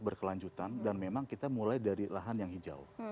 berkelanjutan dan memang kita mulai dari lahan yang hijau